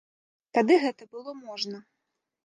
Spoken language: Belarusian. Тады гэта было можна.